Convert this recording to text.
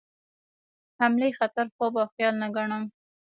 حملې خطر خوب او خیال نه ګڼم.